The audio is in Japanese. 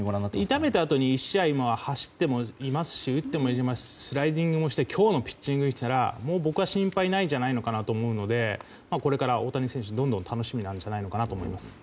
痛めた後１試合走ってもいますし打ってもいますしスライディングもして今日のピッチングを見たら僕は心配ないと思うのでこれから大谷選手どんどん楽しみなんじゃないかと思います。